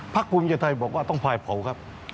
ภูมิใจไทยบอกว่าต้องพายเผาครับ